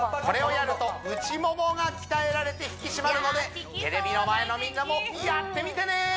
これをやると内モモが鍛えられて引き締まるのでテレビの前のみんなもやってみてね！